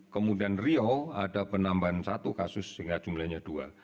kemudian riau ada penambahan satu kasus sehingga jumlahnya dua